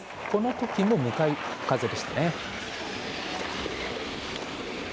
このときも向かい風。